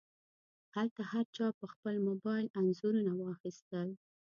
هلته هر چا په خپل موبایل انځورونه واخیستل.